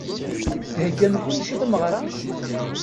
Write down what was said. Theggam kullec i tmeɣra?